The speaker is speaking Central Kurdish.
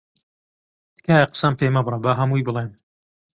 تکایە قسەم پێ مەبڕە، با هەمووی بڵێم.